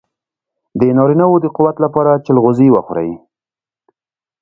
د نارینه وو د قوت لپاره چلغوزي وخورئ